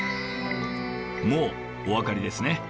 もうお分かりですね。